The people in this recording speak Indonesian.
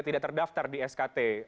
tidak terdaftar di skt